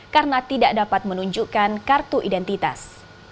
karena tidak dapat menunjukkan kartu identitas